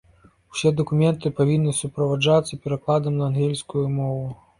Усе дакументы павінны суправаджацца перакладам на ангельскую мову.